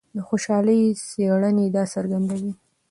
د خوشحالۍ څېړنې دا څرګندوي.